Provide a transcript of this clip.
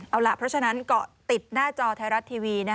เอาล่ะเพราะฉะนั้นเกาะติดหน้าจอไทยรัฐทีวี